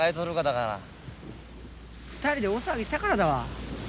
２人で大騒ぎしたからだわ。